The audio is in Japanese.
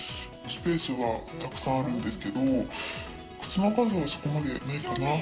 スペースは沢山あるんですけど、靴の数は、そこまでないかな。